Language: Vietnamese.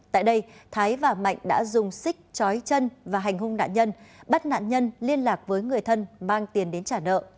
tại đây thái và mạnh đã dùng xích chói chân và hành hung nạn nhân bắt nạn nhân liên lạc với người thân mang tiền đến trả nợ